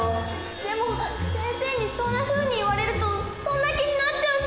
でも先生にそんなふうに言われるとそんな気になっちゃうし。